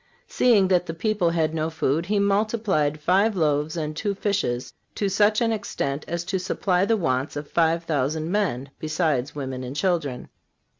Seeing that the people had no food, He multiplied five loaves and two fishes to such an extent as to supply the wants of five thousand men, besides women and children.